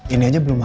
ini aja belum habis